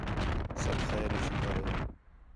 سب خیر ہی شُکر ہے